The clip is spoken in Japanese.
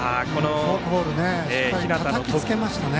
フォークボールしっかりたたきつけましたね。